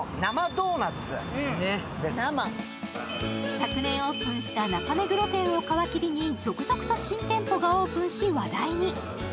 昨年オープンした中目黒店を皮切りに続々と新店舗がオープンし、話題に。